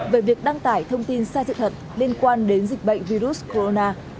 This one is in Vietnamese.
về việc đăng tải thông tin sai sự thật liên quan đến dịch bệnh virus corona